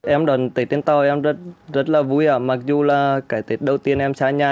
em đoàn tết trên tàu em rất là vui mặc dù là cái tết đầu tiên em xa nhà